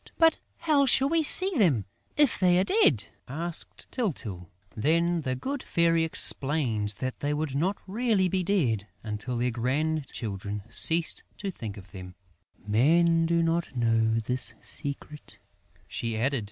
"But how shall we see them, if they are dead?" asked Tyltyl. Then the good Fairy explained that they would not be really dead until their grandchildren ceased to think of them: "Men do not know this secret," she added.